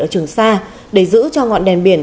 ở trường xa để giữ cho ngọn đèn biển